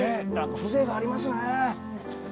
風情がありますよね。